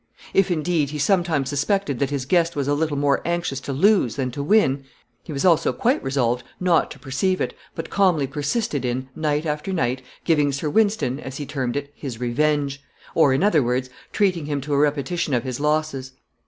If, indeed, he sometimes suspected that his guest was a little more anxious to lose than to win, he was also quite resolved not to perceive it, but calmly persisted in, night after night, giving Sir Wynston, as he termed it, his revenge; or, in other words, treating him to a repetition of his losses.